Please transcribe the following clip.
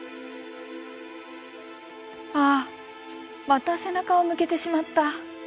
ああまた背中を向けてしまった。